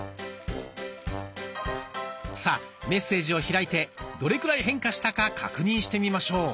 さあメッセージを開いてどれくらい変化したか確認してみましょう。